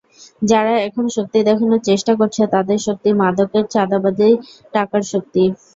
যারা এখন শক্তি দেখানোর চেষ্টা করছে, তাদের শক্তি মাদকের, চাঁদাবাজির টাকার শক্তি।